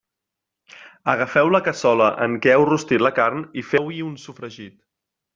Agafeu la cassola en què heu rostit la carn i feu-hi un sofregit.